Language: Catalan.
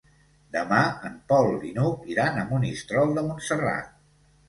Demà en Pol i n'Hug iran a Monistrol de Montserrat.